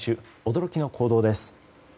驚きの行動です。